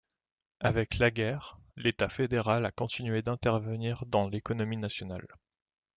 Avec la guerre, l'État fédéral a continué d'intervenir dans l'économie nationale.